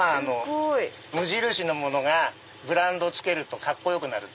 無印のものがブランドつけるとカッコよくなる。